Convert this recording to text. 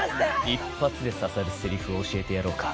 一発で刺さるセリフを教えてやろうか。